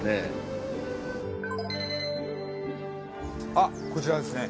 あっこちらですね。